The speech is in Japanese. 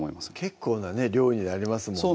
結構なね量になりますもんね